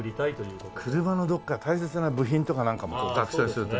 車のどっか大切な部品とかなんかも額装すると。